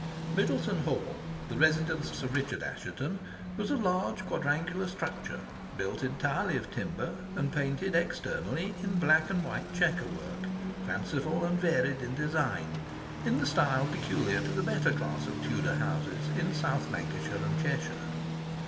Middleton Hall, the residence of Sir Richard Assheton, was a large quadrangular structure, built entirely of timber, and painted externally in black and white checker work, fanciful and varied in design, in the style peculiar to the better class of Tudor houses in South Lancashire and Cheshire.